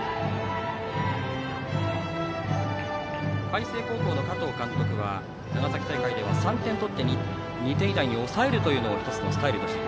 海星高校の加藤監督は長崎大会では３点を取って２点以内に抑えるというのを１つのスタイルでした。